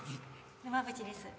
沼淵です